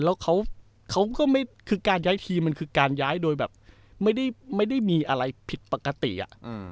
เออแล้วเขาเขาก็ไม่คือการย้ายทีมมันคือการย้ายโดยแบบไม่ได้ไม่ได้มีอะไรผิดปกติอ่ะอืม